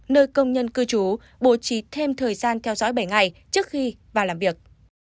nơi công nhân cư trú bổ trí thêm thời gian theo dõi bảy ngày trước khi vào làm việc